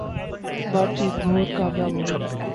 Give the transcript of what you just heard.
باتچیت بہت کامیاب ہو گی